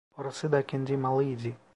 Orası da kendi malı idi.